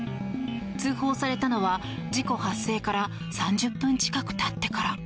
通報されたのは事故発生から３０分近くたってから。